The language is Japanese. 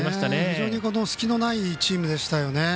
非常に隙のないチームでした。